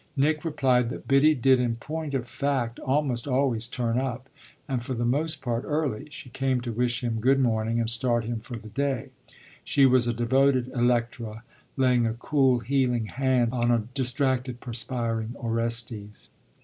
Nick replied that Biddy did in point of fact almost always turn up, and for the most part early: she came to wish him good morning and start him for the day. She was a devoted Electra, laying a cool, healing hand on a distracted, perspiring Orestes.